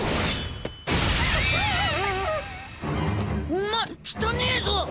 お前汚えぞ！